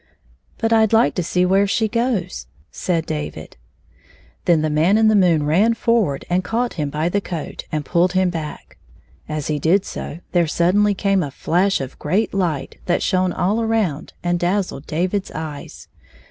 " But I 'd like to see where she goes," said David. Then the Man in the moon ran forward and caught him hy the coat and pulled him back. As he did so, there suddenly came a flash of great light that shone all around and dazzled David's eyes.